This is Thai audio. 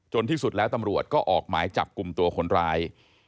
ที่สุดแล้วตำรวจก็ออกหมายจับกลุ่มตัวคนร้าย